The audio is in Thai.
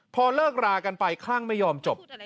พอเลิกรากันไปคลั่งไม่ยอมจบ